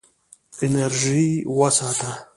انرژي وساته.